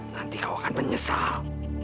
nanti kau akan menyesal